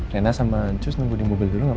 rena sama cus nunggu di mobil dulu nggak